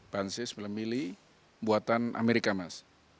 bansai sebelum milih buatan amerika mas